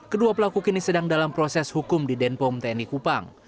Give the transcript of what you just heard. kedua pelaku kini sedang dalam proses hukum di denpom tni kupang